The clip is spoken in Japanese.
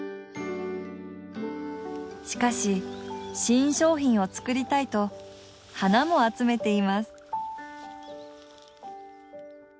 しかし新商品を作りたいと花も集めています。